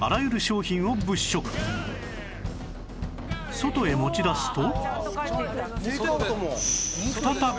外へ持ち出すと